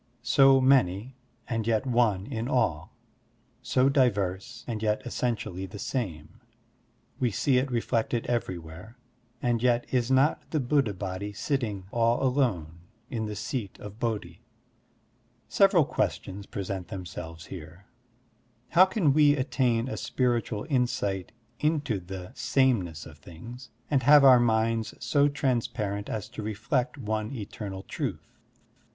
So many, and yet one in all; so diverse, and yet essentially the same ; we see it reflected ever3rwhere, and yet is not the Buddha Body sitting, all alone, in the Seat of Bodhi? Several questions present themselves here: How can we attain a spiritual insight into the sameness of things, and have our minds so trans parent as to reflect one eternal truth?